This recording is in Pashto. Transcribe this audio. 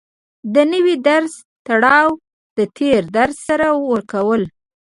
د نوي درس تړاو د تېر درس سره ورکول